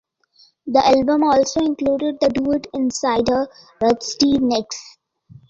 The album also included the duet "Insider", with Stevie Nicks.